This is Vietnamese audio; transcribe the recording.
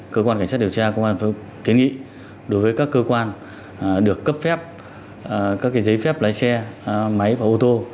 cơ quan cảnh sát điều tra cơ quan kế nghị đối với các cơ quan được cấp phép các cái giấy phép lái xe máy và ô tô